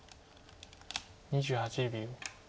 ２８秒。